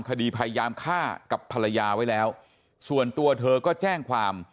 คดีพยายามฆ่ากับภรรยาไว้แล้วส่วนตัวเธอก็แจ้งความ